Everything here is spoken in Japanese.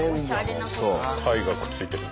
貝がくっついてくる。